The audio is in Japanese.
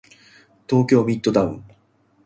東京ミッドタウン